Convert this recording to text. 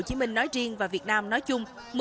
hồ chí minh nói riêng và việt nam nói chung